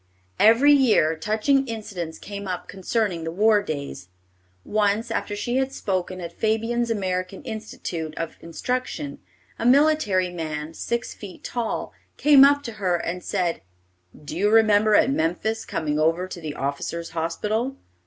Every year touching incidents came up concerning the war days. Once, after she had spoken at Fabyan's American Institute of Instruction, a military man, six feet tall, came up to her and said, "Do you remember at Memphis coming over to the officers' hospital?"